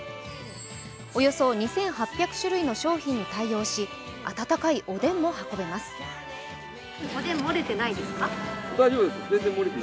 およそ２８００種類の商品に対応し、温かいおでんも運べます。